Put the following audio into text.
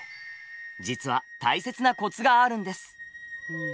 実は大切なコツがあるんです！